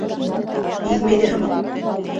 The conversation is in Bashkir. Һиҙмәй ҙә һымаҡ.